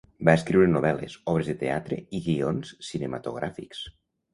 Va escriure novel·les, obres de teatre i guions cinematogràfics.